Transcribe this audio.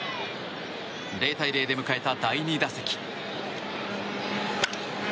０対０で迎えた、第２打席。